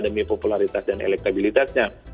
demi popularitas dan elektabilitasnya